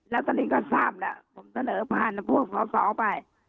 แล้วตอนนี้ก็ทราบแล้วผมเสนอผ่านพวกสอสอไป